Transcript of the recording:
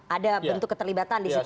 ada bentuk keterlibatan disitu